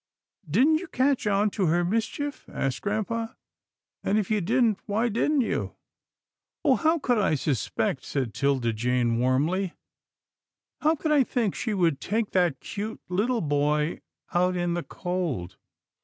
"Didn't you catch on to her mischief?" asked grampa, " and if you didn't, why didn't you ?"" Oh how could I suspect," said 'Tilda Jane warmly, " how could I think she would take that cute little boy out in the cold?